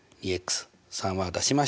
３は出しました。